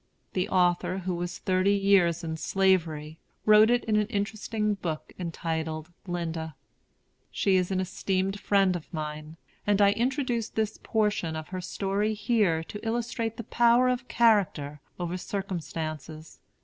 The author, who was thirty years in Slavery, wrote it in an interesting book entitled "Linda." She is an esteemed friend of mine; and I introduce this portion of her story here to illustrate the power of character over circumstances.